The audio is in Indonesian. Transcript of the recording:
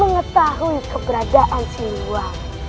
mengetahui keberadaan si luar